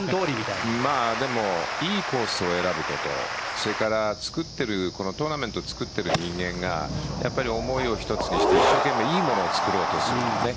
でも、良いコースを選ぶことそれからトーナメントを作っている人間が思いを一つにして一生懸命良いものを作ろうとする。